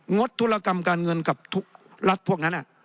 ดธุรกรรมการเงินกับทุกรัฐพวกนั้น